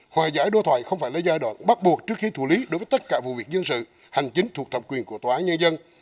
hòa giải đối thoại không phải là giai đoạn bắt buộc trước khi thủ lý đối với tất cả vụ việc dân sự hành chính thuộc thẩm quyền của tòa án nhân dân